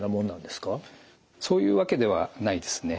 そういうわけでないですね。